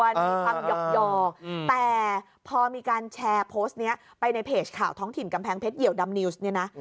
มีความหยอกแต่พอมีการแชร์โพสต์นี้ไปในเพจข่าวท้องถิ่นกำแพงเพชรเหี่ยวดำนิวส์เนี่ยนะ